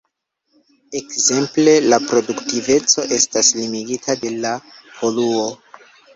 Ekzemple, la produktiveco estas limigita de la poluo.